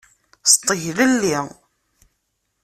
Sṭeglelli.